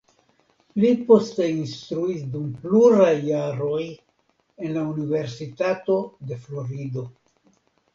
Li poste instruis dum pluraj jaroj en la Universitato de Florido.